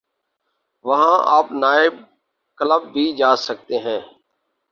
وہاں آپ night club بھی جا سکتے ہیں۔